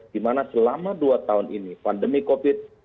dimana selama dua tahun ini pandemi covid